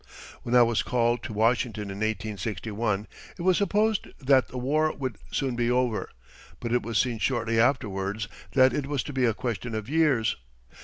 When I was called to Washington in 1861, it was supposed that the war would soon be over; but it was seen shortly afterwards that it was to be a question of years.